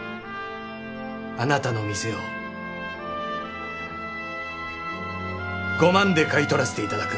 あなたの店を５万で買い取らせていただく。